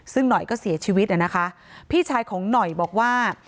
ซึ่งหน่อยก็เสียชีวิตนะคะพี่ชายของหน่อยบอกว่า